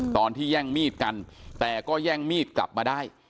ตอนที่แย่งมีดกันแต่ก็แย่งมีดกลับมาได้